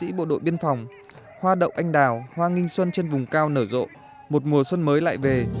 các chiến sĩ bộ đội biên phòng hoa đậu anh đào hoa nghinh xuân trên vùng cao nở rộ một mùa xuân mới lại về